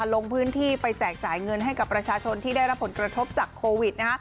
ลงพื้นที่ไปแจกจ่ายเงินให้กับประชาชนที่ได้รับผลกระทบจากโควิด